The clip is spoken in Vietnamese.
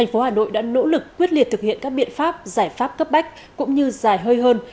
tp hà nội đã nỗ lực quyết liệt thực hiện các biện pháp giải pháp cấp bách cũng như giải hơi hơn